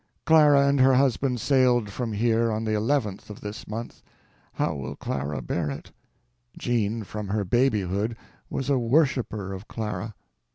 Clara and her husband sailed from here on the 11th of this month. How will Clara bear it? Jean, from her babyhood, was a worshiper of Clara.